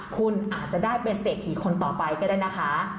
คุณอาจจะได้เป็นเศรษฐีคนต่อไปก็ได้นะคะ